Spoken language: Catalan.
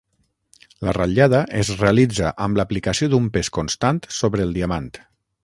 La ratllada es realitza amb l'aplicació d'un pes constant sobre el diamant.